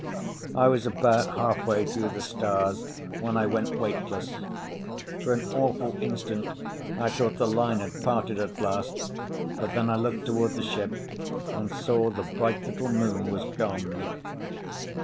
I was about halfway through the stars when I went weightless. For an awful instant I thought the line had parted at last, but then I looked toward the ship and saw the bright little moon was gone.